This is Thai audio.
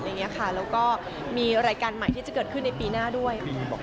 แล้วก็มีรายการใหม่ที่จะเกิดขึ้นในปีหน้าด้วย